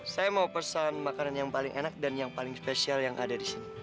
saya mau pesan makanan yang paling enak dan yang paling spesial yang ada di sini